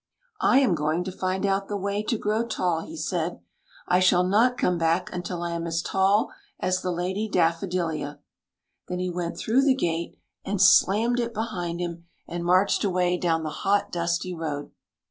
" I am going to find out the way to grow tall," he said. " I shall not come back until I am as tall as the Lady Daffodilia." j Then he went through the gate and slammed / 152 THE LADY DAFFODILIA it behind him, and marched away down the hot, dusty road.